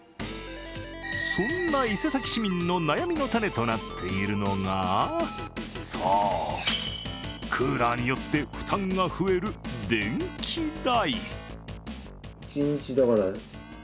そんな伊勢崎市民の悩みの種となっているのがそう、クーラーによって負担が増える電気代。